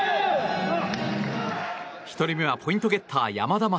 １人目はポイントゲッター山田優。